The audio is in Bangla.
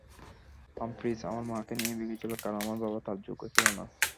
হামফ্রিজ আমার মাকে নিয়ে ভেগেছিল, কারণ আমার বাবা তার যোগ্য ছিল না।